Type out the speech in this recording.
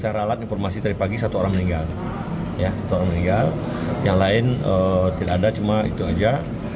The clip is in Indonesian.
saya ralat informasi tadi pagi satu orang meninggal yang lain tidak ada cuma itu saja